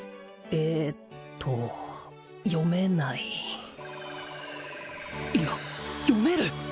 えっと読めないいや読める！